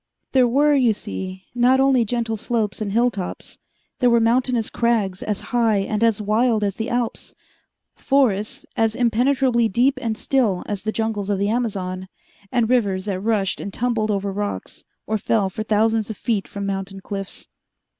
There were, you see, not only gentle slopes and hill tops. There were mountainous crags as high and as wild as the Alps, forests as impenetrably deep and still as the jungles of the Amazon, and rivers that rushed and tumbled over rocks, or fell for thousands of feet from mountain cliffs.